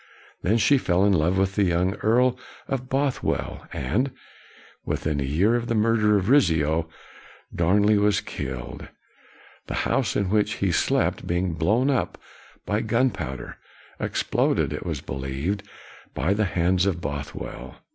Then she fell in love with the young Earl of Bothwell, and, within a year of the murder of Rizzio, Darnley was killed; the house in which he slept being blown up by gunpowder, exploded it was believed by the hands of Bothwell.